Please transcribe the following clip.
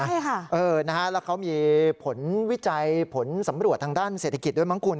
ใช่ค่ะเออนะฮะแล้วเขามีผลวิจัยผลสำรวจทางด้านเศรษฐกิจด้วยมั้งคุณ